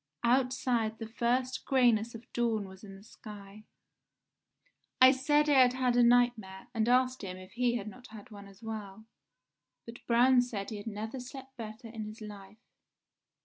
Outside the first greyness of dawn was in the sky. "I said I had had a nightmare, and asked him if he had not had one as well; but Braun said he had never slept better in his life.